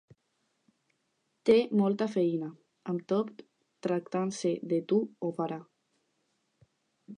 Té molta feina; amb tot, tractant-se de tu, ho farà.